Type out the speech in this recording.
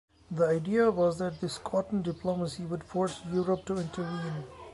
The idea was that this cotton diplomacy would force Europe to intervene.